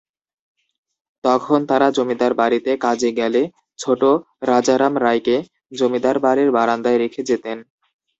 তখন তারা জমিদার বাড়িতে কাজে গেলে ছোট রাজারাম রায়কে জমিদার বাড়ির বারান্দায় রেখে যেতেন।